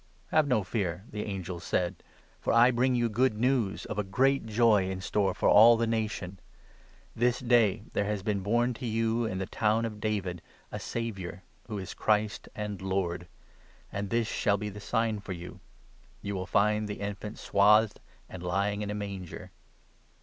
" Have no fear," the angel said. " For I bring you good 10 news of a great joy in store for all the nation. This day there 1 1 has been born to you, in the town of David, a Saviour, who is Christ and Lord. And this shall be the sign for you. You 12 will find the infant swathed, and lying in a manger."